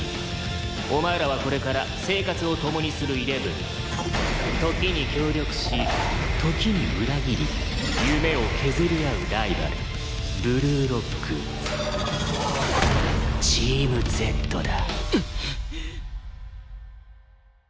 「お前らはこれから生活を共にするイレブン」「時に協力し時に裏切り夢を削り合うライバル」「ブルーロックチームＺだ」